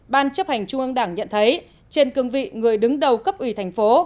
ban chấp hành trung ương đảng nhận thấy trên cương vị người đứng đầu cấp ủy thành phố